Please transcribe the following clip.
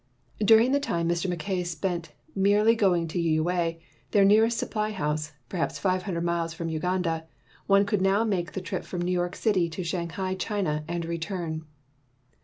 During the time Mr. Mac kay spent merely in going to Uyui, their nearest supply house, perhaps five hundred miles from Uganda, one could now make the trip from New York City to Shanghai, China, and return.